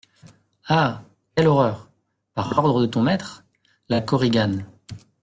Ah ! quelle horreur ! Par l'ordre de ton maître ? LA KORIGANE.